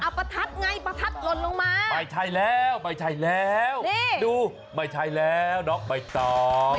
เอาประทับไงประทับหล่นลงมาไม่ใช่แล้วดูไม่ใช่แล้วเนาะไม่ต้อง